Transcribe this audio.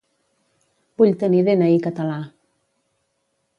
Vull tenir dni català.